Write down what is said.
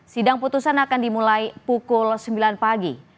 sidang putusan akan dimulai pukul sembilan pagi